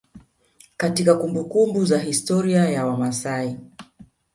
Katika kumbumbuku za historia ya wamasai